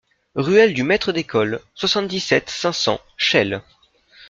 Ruelle du Maître d'École, soixante-dix-sept, cinq cents Chelles